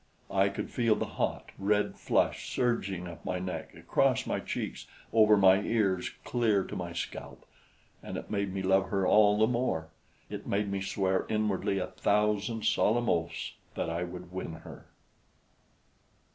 I could feel the hot, red flush surging up my neck, across my cheeks, over my ears, clear to my scalp. And it made me love her all the more; it made me swear inwardly a thousand solemn oaths that I would win her.